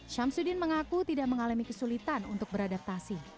syamsuddin mengaku tidak mengalami kesulitan untuk beradaptasi